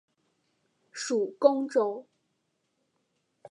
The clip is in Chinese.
属恭州。